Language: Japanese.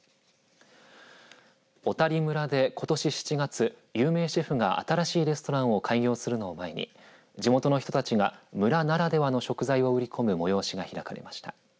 小谷村で、ことし７月有名シェフが新しいレストランを開業するのを前に地元の人たちが村ならではの食材を売り込む催しが開かれました。